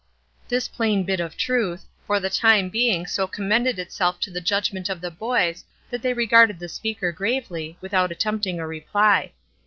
This plain bit of truth, for the time being so commended itself to the judgment of the boys that they regarded the speaker gravely, without attempting a reply.